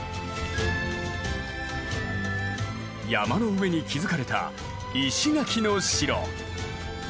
山の上に築かれた石垣の城。